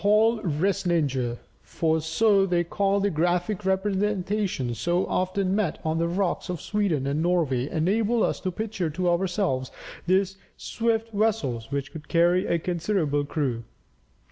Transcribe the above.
The hällristningar, for so they call the graphic representations so often met with on the rocks of Sweden and Norway, enable us to picture to ourselves these swift vessels, which could carry a considerable crew.